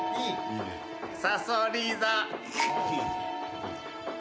さそり座。